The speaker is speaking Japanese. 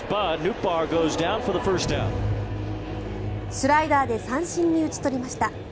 スライダーで三振に打ち取りました。